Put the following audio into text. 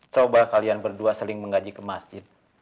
coba kalian berdua sering menggaji ke masjid